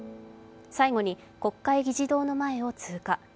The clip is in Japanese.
最後に国会議事堂の前を通過。